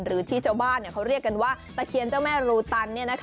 หรือที่ชาวบ้านเขาเรียกกันว่าตะเคียนเจ้าแม่รูตัน